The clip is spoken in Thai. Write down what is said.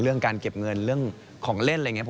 เรื่องการเก็บเงินเรื่องของเล่นอะไรอย่างนี้